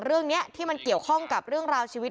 เรื่องนี้ที่มันเกี่ยวข้องกับเรื่องราวชีวิต